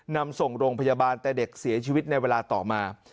นำส่งโรงพยาบาลแต่เด็กเสียชีวิตในเวลาต่อมา